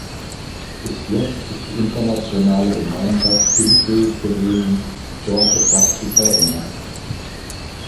Bis jetzt ist die internationale Gemeinschaft unfähig gewesen, dort etwas zu verändern.